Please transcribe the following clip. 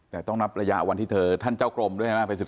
แต่ต้องนับระยะวันที่เธอท่านเจ้ากรมด้วยใช่ไหม